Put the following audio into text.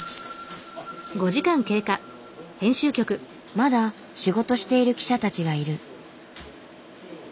まだ仕事している記者たちがいる。